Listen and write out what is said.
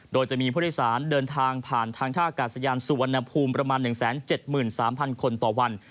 โดยจะมีผู้โดยสารเดินทางผ่านทางท่ากาศยานสุวรรณภูมิประมาณ๑๗๓๐๐คนต่อวัน